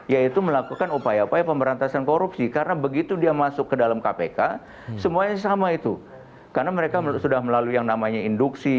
yaitu melakukan upaya upaya pemberantasan korupsi karena begitu dia masuk ke dalam kpk semuanya sama itu karena mereka sudah melalui yang namanya induksi